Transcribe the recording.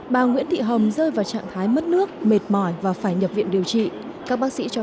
bà nguyễn thị hồng rơi vào trạng thái mất nước mệt mỏi và phải nhập viện điều trị các bác sĩ cho